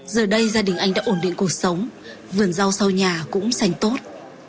giờ đây gia đình anh đã ổn định cuộc sống vườn rau sau nhà cũng sành tốt